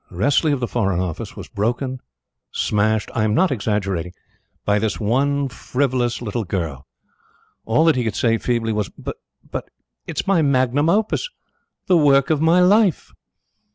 ......... Wressley of the Foreign Office was broken, smashed, I am not exaggerating by this one frivolous little girl. All that he could say feebly was: "But, but it's my magnum opus! The work of my life."